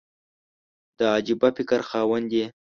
د عجبه فکر خاوند یې !